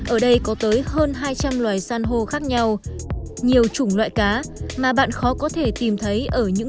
ở đây có tới hơn hai trăm linh loài san hô khác nhau nhiều chủng loại cá mà bạn khó có thể tìm thấy ở những